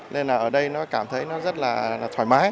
nên là ở đây nó cảm thấy nó rất là thoải mái